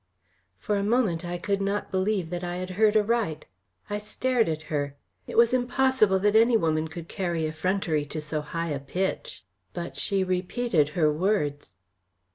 For a moment I could not believe that I had heard a right. I stared at her. It was impossible that any woman could carry effrontery to so high a pitch. But she repeated her words.